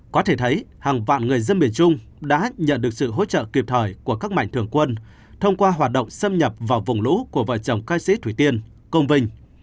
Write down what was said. có thể thấy hàng vạn người dân miền trung đã nhận được sự hỗ trợ kịp thời của các mạnh thường quân thông qua hoạt động xâm nhập vào vùng lũ của vợ chồng ca sĩ thủy tiên công vinh